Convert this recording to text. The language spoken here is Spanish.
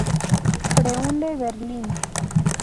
Freunde Berlin".